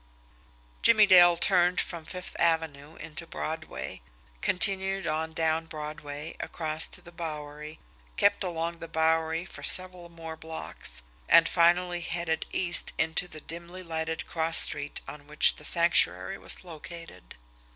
Jimmie Dale turned from Fifth Avenue into Broadway, continued on down Broadway, across to the Bowery, kept along the Bowery for several more blocks and finally headed east into the dimly lighted cross street on which the Sanctuary was located.